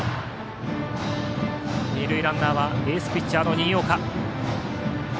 二塁ランナーはエースピッチャーの新岡。